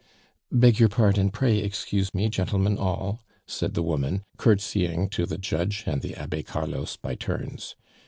"Beg your pardon; pray excuse me, gentlemen all," said the woman, courtesying to the judge and the Abbe Carlos by turns.